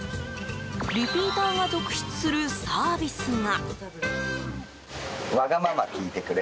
リピーターが続出するサービスが。